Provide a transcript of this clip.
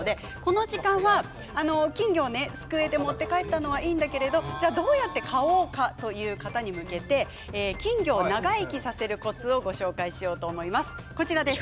この時間は金魚をすくって持って帰ったのはいいけれどどうやって飼おうかという方に向けて金魚長生きさせるコツをご紹介しようと思います。